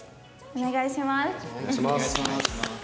お願いします。